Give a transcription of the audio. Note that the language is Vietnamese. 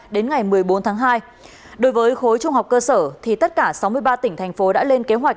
đến ngày một mươi bốn tháng hai đối với khối trung học cơ sở thì tất cả sáu mươi ba tỉnh thành phố đã lên kế hoạch